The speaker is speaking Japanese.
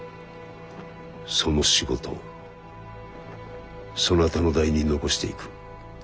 その仕事そなたの代に残していく。